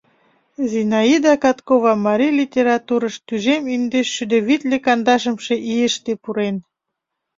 Зинаида Каткова марий литературыш тӱжем индешшӱдӧ витле кандашымше ийыште пурен.